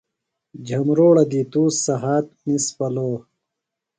جھمبروڑہ دی تُوش سھات نِس پلو